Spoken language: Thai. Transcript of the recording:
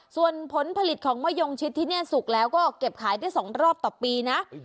ส่วนผลผลิตของมะยงชิดที่นี่สุกแล้วก็เก็บขายได้๒รอบต่อปีนะ